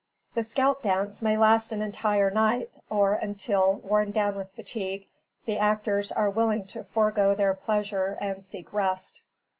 The scalp dance may last an entire night, or until, worn down with fatigue, the actors are willing to forego their pleasure and seek rest.